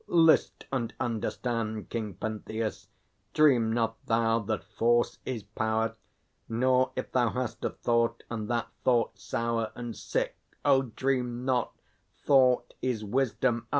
List and understand, King Pentheus! Dream not thou that force is power; Nor, if thou hast a thought, and that thought sour And sick, oh, dream not thought is wisdom!